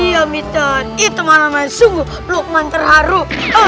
iya mister itu malam yang sungguh lukman terharu